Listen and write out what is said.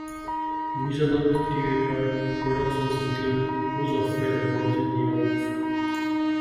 Regional theatre productions include: Who's Afraid of Virginia Woolf?